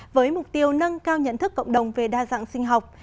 với mục tiêu nâng cao nhận thức cộng đồng về đa dạng sinh học